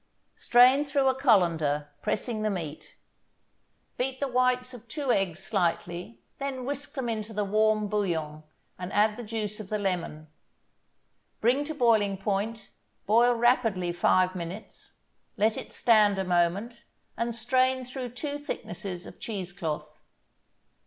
Strain through a colander, pressing the meat. Beat the whites of two eggs slightly, then whisk them into the warm bouillon, and add the juice of the lemon. Bring to boiling point, boil rapidly five minutes, let it stand a moment, and strain through two thicknesses of cheese cloth.